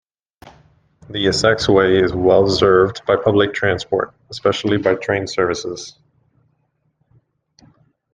The Essex Way is well served by public transport, especially by train services.